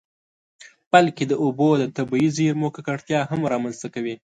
بلکې د اوبو د طبیعي زیرمو ککړتیا هم رامنځته کوي.